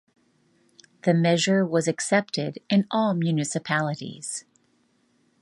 The measure was accepted in all municipalities.